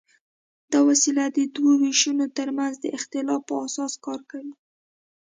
دا وسیله د دوو وېشونو تر منځ د اختلاف په اساس کار کوي.